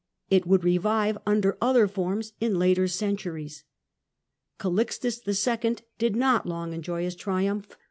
It would revive under other forms in later centuries. Calixtus II. did not long enjoy his Deaths of triumph.